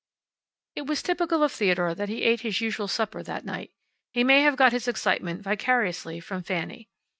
It was typical of Theodore that he ate his usual supper that night. He may have got his excitement vicariously from Fanny.